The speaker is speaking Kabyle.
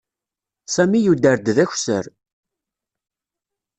Sami yuder-d d akessar.